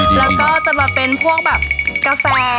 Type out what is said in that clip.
แล้วก็จะเป็นแบบกาแฟ